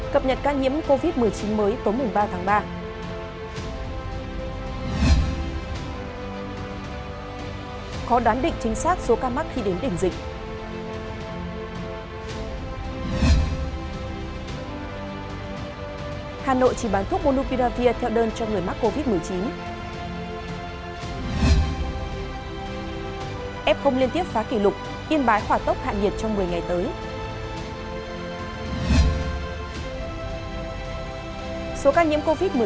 các bạn hãy đăng ký kênh để ủng hộ kênh của chúng mình nhé